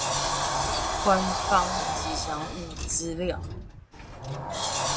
官方吉祥物資料